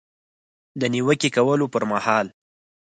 د نیوکې کولو پر مهال